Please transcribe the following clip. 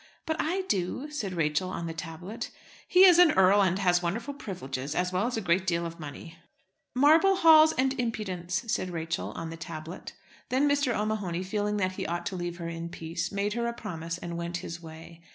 "But I do," said Rachel on the tablet. "He is an earl, and has wonderful privileges, as well as a great deal of money." "Marble halls and impudence," said Rachel on the tablet. Then Mr. O'Mahony, feeling that he ought to leave her in peace, made her a promise, and went his way.